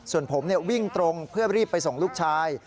ส่วนผมวิ่งตรงเพื่อรีบไปส่งลูกชาย